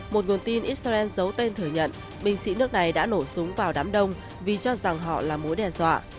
một nguồn tin israel giấu tên thừa nhận binh sĩ nước này đã nổ súng vào đám đông vì cho rằng họ là mối đe dọa